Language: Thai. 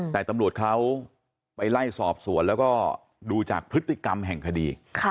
แต่ตำรวจเขาไปไล่สอบสวนแล้วก็ดูจากพฤติกรรมแห่งคดี